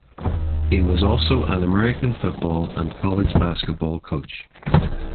He was also an American football and college basketball coach.